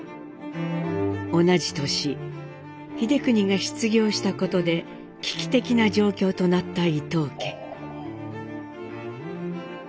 同じ年英邦が失業したことで危機的な状況となった伊藤家。